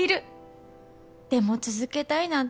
でも続けたいなんて